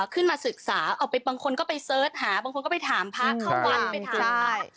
ขึ้นมาศึกษาเอาไปบางคนก็ไปเสิร์ชหาบางคนก็ไปถามพระเขาวัน